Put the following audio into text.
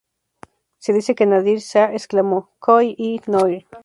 Se dice que Nadir Shah exclamó: "¡Koh-i-Noor!